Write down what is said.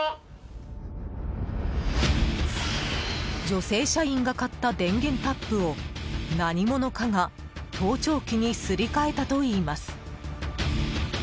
女性社員が買った電源タップを何者かが、盗聴器にすり替えたといいます。